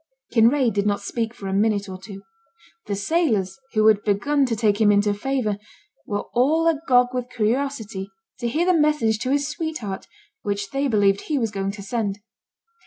Kinraid did not speak for a minute or two. The sailors, who had begun to take him into favour, were all agog with curiosity to hear the message to his sweetheart, which they believed he was going to send.